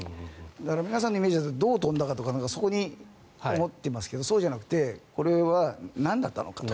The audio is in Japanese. だから皆さんのイメージだとどう飛んだのかとかそこを思ってますけどそうじゃなくてこれはなんだったのかと。